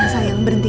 elsa sayang berhenti